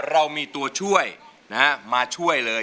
เรามีตัวช่วยมาช่วยเลย